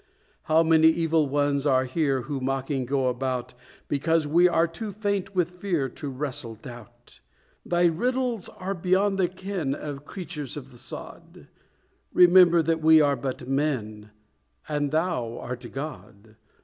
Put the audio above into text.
"How many evil ones are here Who mocking go about, Because we are too faint with fear To wrestle Doubt! "Thy riddles are beyond the ken Of creatures of the sod: Remember that we are but men, And Thou art God!